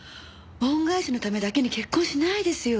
恩返しのためだけに結婚しないですよ。